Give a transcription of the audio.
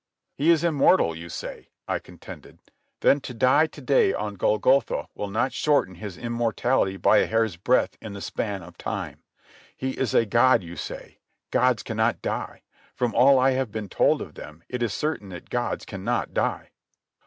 "He is immortal you say," I contended. "Then to die to day on Golgotha will not shorten his immortality by a hair's breadth in the span of time. He is a god you say. Gods cannot die. From all I have been told of them, it is certain that gods cannot die."